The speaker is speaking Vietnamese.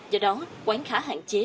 do đó quán khá hạn chế